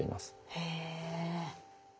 へえ。